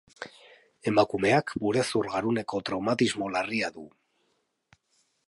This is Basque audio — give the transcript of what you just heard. Emakumeak burezur-garuneko traumatismo larria du.